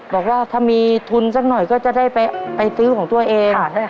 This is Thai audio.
บอกว่าถ้ามีทุนสักหน่อยก็จะได้ไปซื้อของตัวเอง